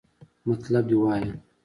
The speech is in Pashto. مطلب دې وایا!